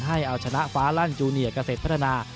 ให้เอาชนะฟ้าลั่นจูเนียเกษตรพัฒนา